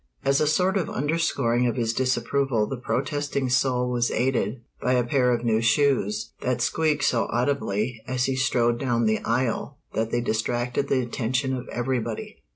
As a sort of underscoring of his disapproval the protesting soul was aided by a pair of new shoes that squeaked so audibly as he strode down the aisle that they distracted the attention of everybody.